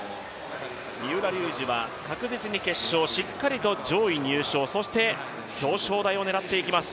三浦龍司は確実に決勝、しっかりと上位入賞、そして表彰台を狙っていきます。